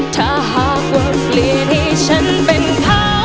ถ้าหากว่าเปลี่ยนให้ฉันเป็นเธอ